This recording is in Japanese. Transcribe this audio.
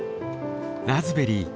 ラズベリー。